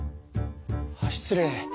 あ失礼。